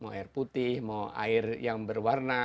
mau air putih mau air yang berwarna saya minum